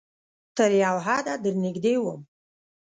تر یو حده درنږدې وم